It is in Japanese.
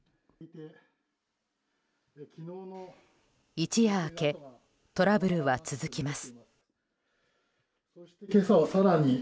一夜明けトラブルは続きます。